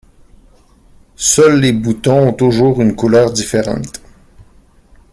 Seuls les boutons ont toujours une couleur différente.